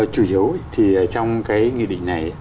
chủ yếu trong nghị định này